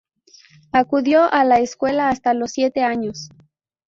Acudió a la escuela hasta los siete años.